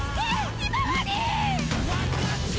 ひまわり！